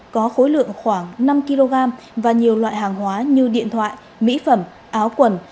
có khối lượng khoảng năm kg và nhiều loại hàng hóa như điện thoại mỹ phẩm áo quần